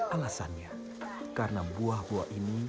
alasannya karena buah buah segar yang tidak terbeli